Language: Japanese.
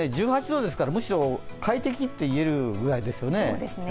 １８度ですから、むしろ快適と言えるぐらいですよね。